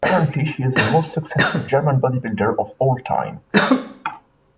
Currently she is the most successful German bodybuilder of all time.